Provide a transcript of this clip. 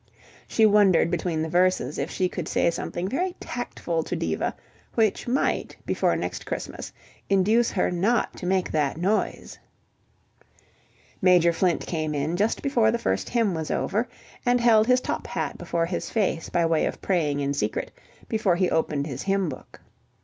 She wondered between the verses if she could say something very tactful to Diva, which might before next Christmas induce her not to make that noise. ... Major Flint came in just before the first hymn was over, and held his top hat before his face by way of praying in secret, before he opened his hymn book.